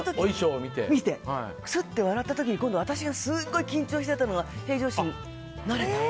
くすって笑った時に今度は私が緊張していたのが平常心になれた。